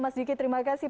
mas diki terima kasih